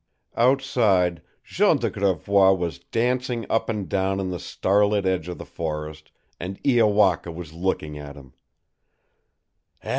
Outside Jean de Gravois was dancing up and down in the starlit edge of the forest, and Iowaka was looking at him.